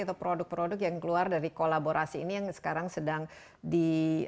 atau produk produk yang keluar dari kolaborasi ini yang sekarang sedang di